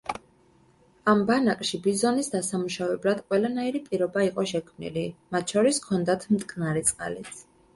ამ ბანაკში ბიზონის დასამუშავებლად ყველანაირი პირობა იყო შექმნილი, მათ შორის, ჰქონდათ მტკნარი წყალიც.